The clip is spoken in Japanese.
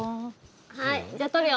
はいじゃあ撮るよ。